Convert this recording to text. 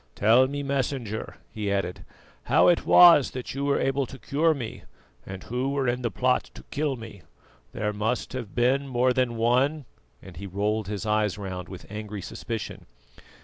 "Tell me, Messenger," he added, "how it was that you were able to cure me, and who were in the plot to kill me? There must have been more than one," and he rolled his eyes round with angry suspicion.